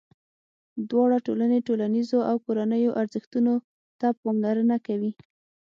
دواړه ټولنې ټولنیزو او کورنیو ارزښتونو ته پاملرنه کوي.